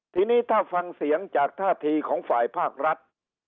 ทีนี้ถ้าฟังเสียงจากท่าทีของฝ่ายภาครัฐ